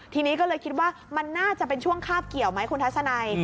ทีนี้ก็เลยคิดว่ามันน่าจะเป็นช่วงคาบเกี่ยวไหมคุณทัศนัย